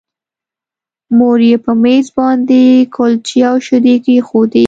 مور یې په مېز باندې کلچې او شیدې کېښودې